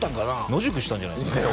野宿したんじゃないですか？